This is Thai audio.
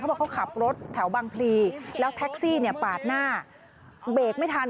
บอกเขาขับรถแถวบางพลีแล้วแท็กซี่เนี่ยปาดหน้าเบรกไม่ทัน